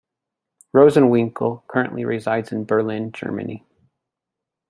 Rosenwinkel currently resides in Berlin, Germany.